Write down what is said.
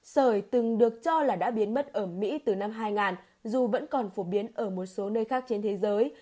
sởi từng được cho là đã biến mất ở mỹ từ năm hai nghìn dù vẫn còn phổ biến ở một số nơi khác trên thế giới